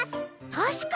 たしかに！